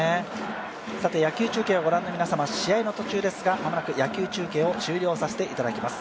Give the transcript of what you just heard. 野球中継をご覧の皆様、試合の途中ですが間もなく野球中継を終了させていただきます。